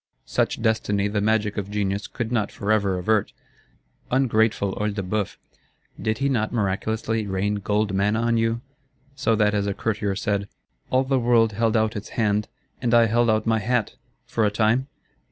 Such destiny the magic of genius could not forever avert. Ungrateful Œil de Bœuf! did he not miraculously rain gold manna on you; so that, as a Courtier said, 'All the world held out its hand, and I held out my hat,'—for a time?